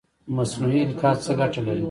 مصنوعي القاح څه ګټه لري؟